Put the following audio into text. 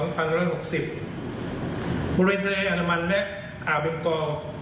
บริเวณทะเลอัลลามันและอาวินกร